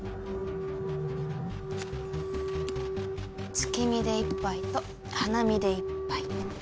月見で一杯と花見で一杯。